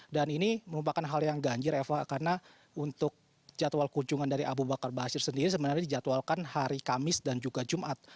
dan ini merupakan hal yang ganjir eva karena untuk jadwal kunjungan dari abu bakar ba'asyir sendiri sebenarnya dijadwalkan hari kamis dan juga jumat